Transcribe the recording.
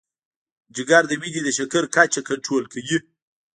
جگر د وینې د شکر کچه کنټرول کوي.